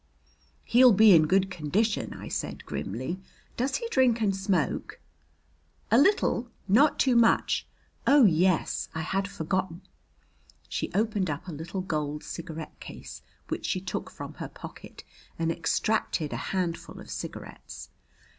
"He'll be in good condition," I said grimly. "Does he drink and smoke?" "A little, not too much. Oh, yes, I had forgotten!" She opened up a little gold cigarette case, which she took from her pocket, and extracted a handful of cigarettes.